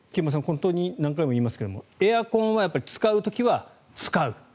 本当に何回も言いますけどエアコンは使う時は使う。